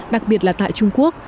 đặc biệt là tại trung quốc